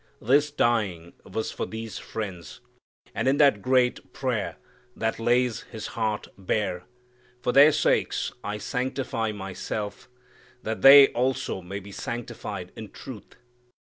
This dying was for these friends. And in that great prayer that lays His heart bare, "for their sakes I sanctify myself that they also may be sanctified in truth."